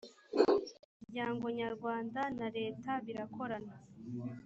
umuryango nyarwanda na leta birakorana